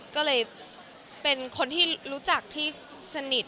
ก็เลยเป็นคนที่รู้จักที่สนิท